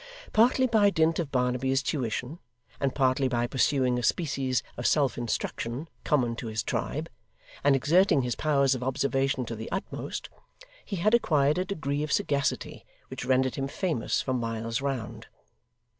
Partly by dint of Barnaby's tuition, and partly by pursuing a species of self instruction common to his tribe, and exerting his powers of observation to the utmost, he had acquired a degree of sagacity which rendered him famous for miles round.